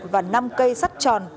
và năm cây sắt tròn